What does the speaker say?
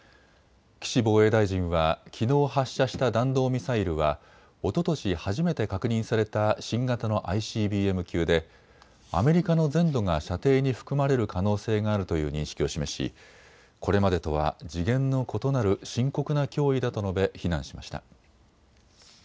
岸防衛大臣はきのう発射した弾道ミサイルはおととし初めて確認された新型のＩＣＢＭ級でアメリカの全土が射程に含まれる可能性があるという認識を示しこれまでとは次元の異なる深刻な脅威だと述べ非難しました。